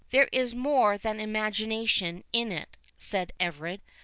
"There is more than imagination in it," said Everard.